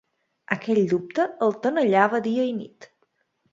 Aquell dubte el tenallava dia i nit.